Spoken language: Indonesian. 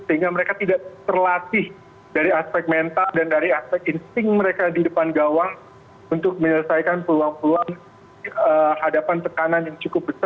sehingga mereka tidak terlatih dari aspek mental dan dari aspek insting mereka di depan gawang untuk menyelesaikan peluang peluang